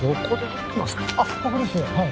ここですよ